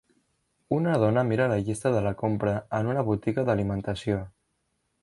Una dona mira la llista de la compra en una botiga d'alimentació.